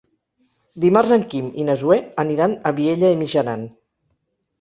Dimarts en Quim i na Zoè aniran a Vielha e Mijaran.